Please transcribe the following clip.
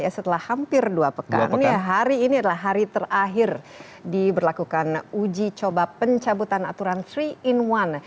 setelah hampir dua pekan hari ini adalah hari terakhir diberlakukan uji coba pencabutan aturan tiga in satu